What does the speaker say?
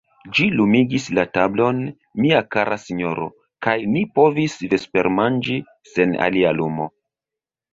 Ĝi lumigis la tablon, mia kara sinjoro, kaj ni povis vespermanĝi sen alia lumo.